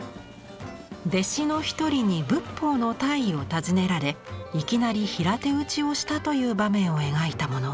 弟子の１人に仏法の大意を尋ねられいきなり平手打ちをしたという場面を描いたもの。